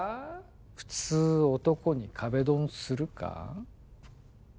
普通男に壁ドンするか？